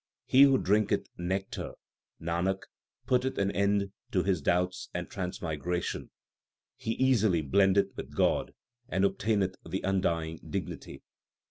He who drinketh nectar, 1 Nanak, putteth an end to his doubts and transmigration ; He easily blendeth with God, and obtaineth the undying dignity.